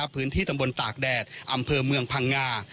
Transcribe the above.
พื้นที่ตำบลตากแดดอำเภอเมืองพังงา